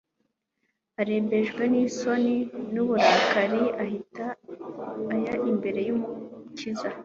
Arembejwe n'isoni n'uburakari ahita aya imbere y'Umukiza.